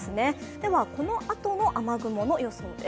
では、このあとの雨雲の予想です。